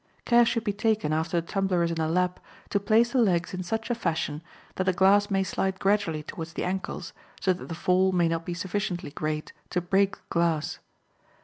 Care should be taken after the tumbler is in the lap to place the legs in such a fashion that the glass may slide gradually toward the ankles, so that the fall may not be sufficiently great to break the glass.